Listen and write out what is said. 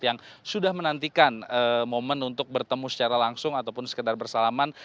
yang sudah menantikan momen untuk bertemu secara langsung ataupun sekedar bersalaman